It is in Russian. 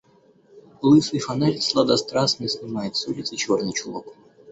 Лысый фонарь сладострастно снимает с улицы черный чулок.